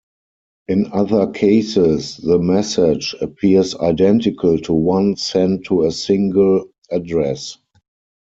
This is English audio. In other cases, the message appears identical to one sent to a single addressee.